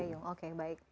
gayung oke baik